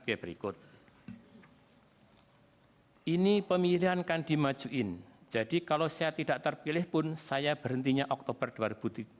jadi ini pemilihan kan dimacuin jadi kalau saya tidak terpilih pun saya berhentinya oktober dua ribu tujuh belas